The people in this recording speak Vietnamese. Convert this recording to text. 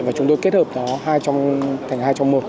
và chúng tôi kết hợp đó thành hai trong một